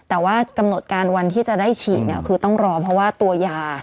แต่ว่ากำหนดการวันที่จะได้ฉีดคือต้องรอเพราะว่าตัวยา